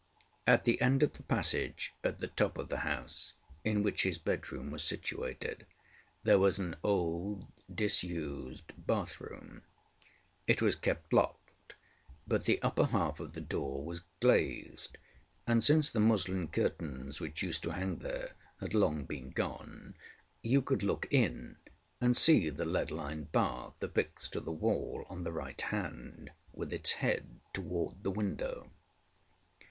At the end of the passage at the top of the house, in which his bedroom was situated, there was an old disused bathroom. It was kept locked, but the upper half of the door was glazed, and, since the muslin curtains which used to hang there had long been gone, you could look in and see the lead lined bath affixed to the wall on the right hand, with its head towards the window.